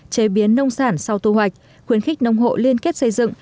chế biến nông sản sau thu hoạch khuyến khích nông hộ liên kết xây dựng